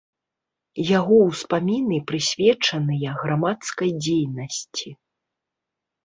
Яго ўспаміны прысвечаныя грамадскай дзейнасці.